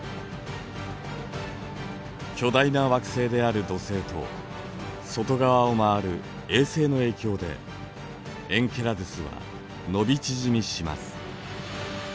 巨大な惑星である土星と外側を回る衛星の影響でエンケラドゥスは伸び縮みします。